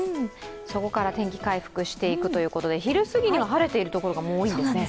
そこから天気、回復していくということで、昼過ぎには晴れているところが多いんですね。